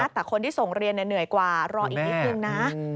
แต่คนที่ส่งเรียนเหนื่อยกว่ารออีกนิดนึงนะ